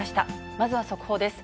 まずは速報です。